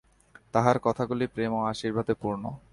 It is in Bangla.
তাঁহার কথাগুলি প্রেম ও আশীর্বাদে পূর্ণ।